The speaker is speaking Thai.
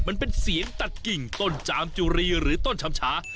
มันเป็นเสียงตัดกิ่งต้นจามจุรีหรือต้นชำชา